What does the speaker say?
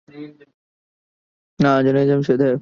لیکن ہم تب ہی کچھ سیکھ سکتے ہیں۔